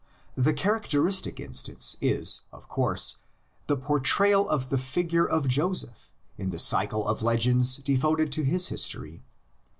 The characteristic instance is, of course, the portrayal of the figure of Joseph in the cycle of legends devoted to his history.